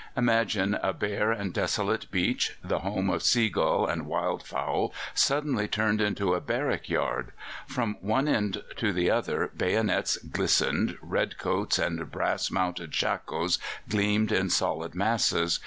Imagine a bare and desolate beach, the home of seagull and wild fowl, suddenly turned into a barrack yard. From one end to the other bayonets glistened, red coats and brass mounted shakos gleamed in solid masses.